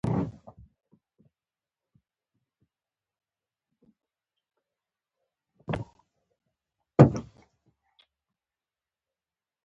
فقاریه حیوانات کوم دي؟